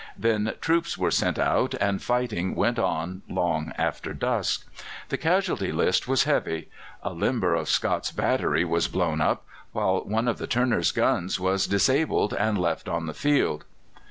Then troops were sent out, and fighting went on long after dusk. The casualty list was heavy: a limber of Scott's battery was blown up, while one of Turner's guns was disabled and left on the field.